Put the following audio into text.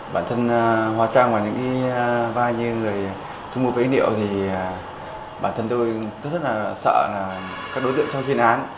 bản thân hòa trang vào những vai như người thu mua phế niệu thì bản thân tôi rất là sợ các đối tượng trong chuyên án